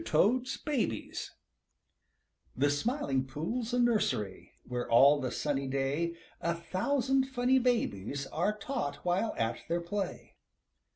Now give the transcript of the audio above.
TOAD'S BABIES The Smiling Pool's a nursery Where all the sunny day A thousand funny babies Are taught while at their play.